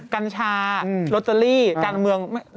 กัญชาลอตเตอรี่การเมือง